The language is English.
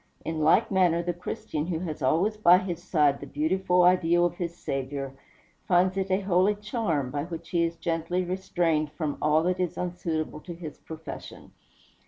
In like manner the Christian, who has always by his side the beautiful ideal of his Saviour, finds it a holy charm, by which he is gently restrained from all that is unsuitable to his profession.